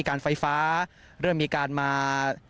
การไฟฟ้าเริ่มมีการมา